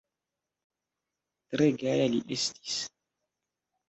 Tre gaja li estis.